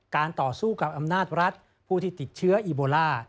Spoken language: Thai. ต่อสู้กับอำนาจรัฐผู้ที่ติดเชื้ออีโบล่า